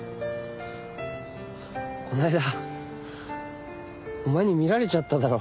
こないだお前に見られちゃっただろ？